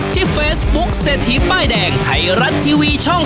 ที่เฟซบุ๊คเศรษฐีป้ายแดงไทยรัฐทีวีช่อง๓